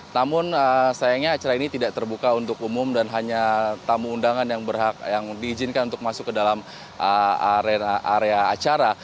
namun sayangnya acara ini tidak terbuka untuk umum dan hanya tamu undangan yang diizinkan untuk masuk ke dalam area acara